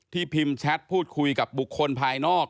พิมพ์แชทพูดคุยกับบุคคลภายนอก